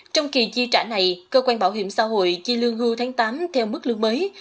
trong kỳ chi trả này cơ quan bảo hiểm xã hội chi lương hưu tháng tám theo mức lương mới